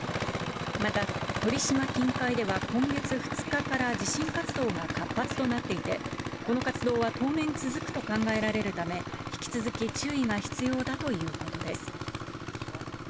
また鳥島近海では、今月２日から地震活動が活発となっていて、この活動は当面続くと考えられるため、引き続き注意が必要だということです。